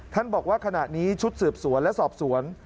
บอกว่าขณะนี้ชุดสืบสวนและสอบสวน